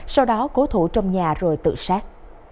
sau đó cố thủ trong nhà rồi tự sát